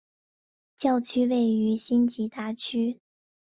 教区位于辛吉达区。